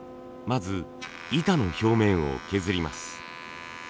まず板の表面を削ります。